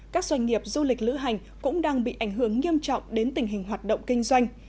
các doanh nghiệp du lịch lữ hành cũng đang bị ảnh hưởng nghiêm trọng đến tình hình hoạt động kinh doanh